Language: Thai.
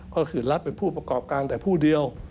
ก็คือรัฐเป็นผู้ประกอบการแต่ผู้เดียว